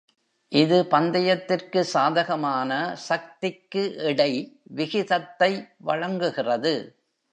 இது பந்தயத்திற்கு சாதகமான சக்தி-க்கு-எடை விகிதத்தை வழங்குகிறது.